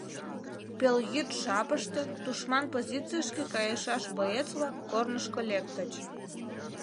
Пелйӱд жапыште тушман позицийышке кайышаш боец-влак корнышко лектыч.